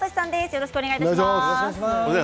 よろしくお願いします。